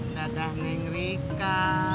dadah neng rika